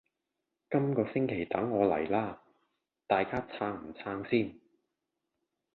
今個星期等我黎啦！大家撐唔撐先？